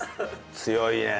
強いね。